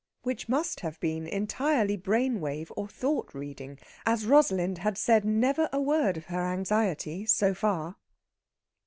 Which must have been entirely brain wave or thought reading, as Rosalind had said never a word of her anxiety, so far.